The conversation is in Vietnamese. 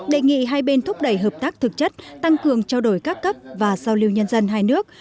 đề nghị hai bên thúc đẩy hợp tác thực chất tăng cường trao đổi các cấp và giao lưu nhân dân hai nước